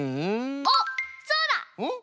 あっそうだ！んっ？